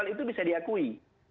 itu bisa diakui